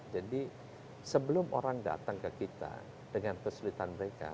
jadi sebelum orang datang ke kita dengan kesulitan mereka